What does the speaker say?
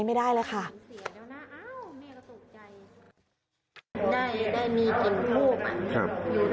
ได้ได้มีกลิ่นทูบอะ